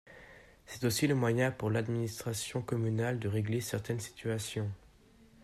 C’est aussi le moyen pour l’administration communale de régler certaines situations.